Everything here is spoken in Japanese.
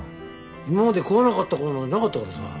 今まで食わなかった事なんてなかったからさ。